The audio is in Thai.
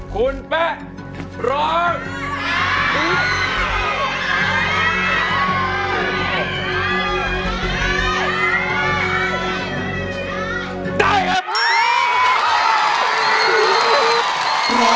คุณแป๊ะร้อง